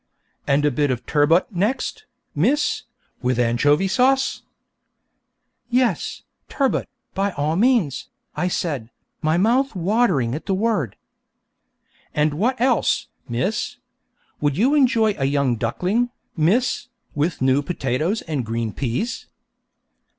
'And a bit of turbot next, miss, with anchovy sauce?' 'Yes, turbot, by all means,' I said, my mouth watering at the word. 'And what else, miss? Would you enjoy a young duckling, miss, with new potatoes and green peas?'